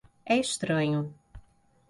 É estranho.